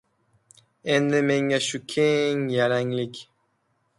Endi menga shu keng yalanglik.